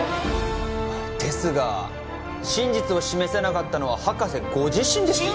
ですが真実を示せなかったのは博士ご自身ですよ